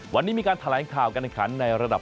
วันนี้มีการแถลงข่าวการแข่งขันในระดับ